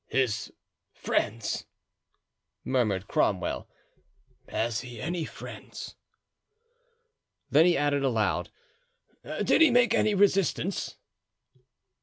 "His friends!" murmured Cromwell. "Has he any friends?" Then he added aloud, "Did he make any resistance?"